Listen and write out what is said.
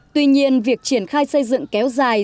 tuy nhiên việc triển khai xây dựng kéo dài